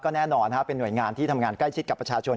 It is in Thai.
แน่นอนเป็นหน่วยงานที่ทำงานใกล้ชิดกับประชาชน